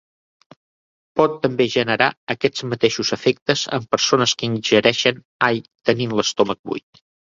Pot també generar aquests mateixos afectes en persones que ingereixen all tenint l'estómac buit.